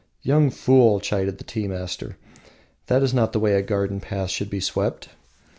"Young fool," chided the tea master, "that is not the way a garden path should be swept."